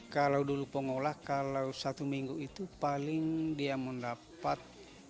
kalau dulu pengolah kalau satu minggu itu paling dia mendapat